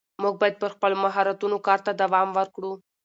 موږ باید پر خپلو مهارتونو کار ته دوام ورکړو